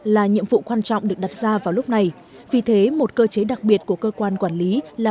là nhiệm vụ quan trọng được đặt ra vào lúc này vì thế một cơ chế đặc biệt của cơ quan quản lý là